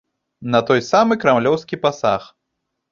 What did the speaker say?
На той самы крамлёўскі пасаг.